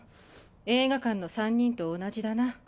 映画館の三人と同じだな。